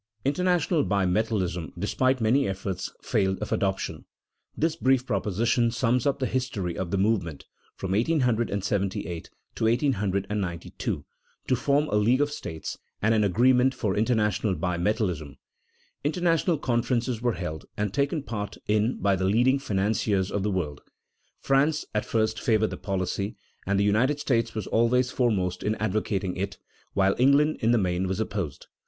International bimetallism, despite many efforts, failed of adoption. This brief proposition sums up the history of the movement, from 1878 to 1892, to form a league of states and an agreement for international bimetallism. International conferences were held, and taken part in by the leading financiers of the world. France at first favored the policy, and the United States was always foremost in advocating it, while England in the main was opposed.